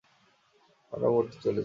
আমরা মরতে চলেছি!